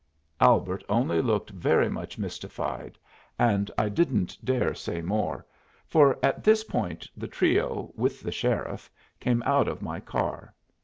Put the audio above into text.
Albert only looked very much mystified, and I didn't dare say more, for at this point the trio, with the sheriff, came out of my car.